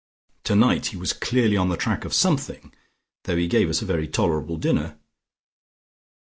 Tonight he was clearly on the track of something, though he gave us a very tolerable dinner."